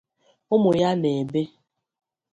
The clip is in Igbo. ụmụ ya na-ebe